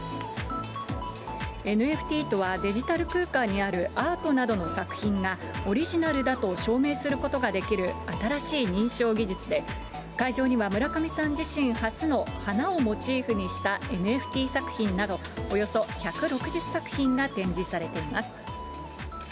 ＮＦＴとは、デジタル空間にあるアートなどの作品が、オリジナルだと証明することができる新しい認証技術で、会場には村上さん自身初の花をモチーフにしたＮＦＴ作品など、およそ１６０作品が展示されています。